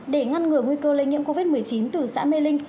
để ngăn ngừa nguy cơ lây nhiễm covid một mươi chín từ xã mê linh